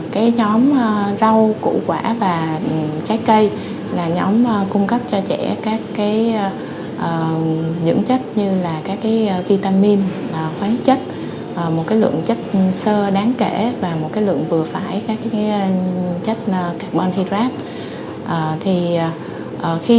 cái nhóm rau củ quả và trái cây là nhóm cung cấp cho trẻ các cái dưỡng chất như là các cái vitamin khoáng chất một cái lượng chất sơ đáng kể và một cái lượng vừa phải các cái chất carbon hydrate